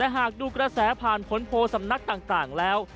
หากดูกระแสผ่านผลโพลสำนักต่างแล้ว